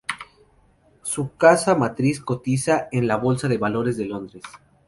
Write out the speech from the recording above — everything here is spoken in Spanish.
Su casa matriz cotiza en la Bolsa de Valores de Londres.